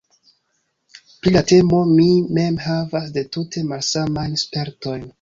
Pri la temo mi mem havas du tute malsamajn spertojn.